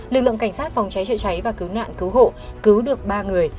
lực lượng cảnh sát phòng cháy chữa cháy và cứu nạn cứu hộ cứu được ba người